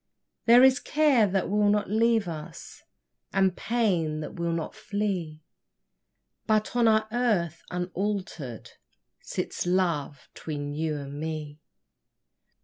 There is care that will not leave us, And pain that will not flee; But on our hearth unalter'd Sits Love 'tween you and me.